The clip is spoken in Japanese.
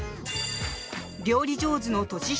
料理上手の年下